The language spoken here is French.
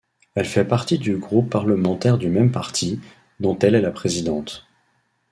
Elle fait partie du groupe parlementaire du même parti, dont elle est la présidente.